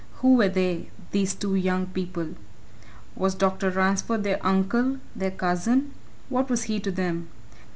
Who were they these two young people? Was Dr. Ransford their uncle, their cousin what was he to them?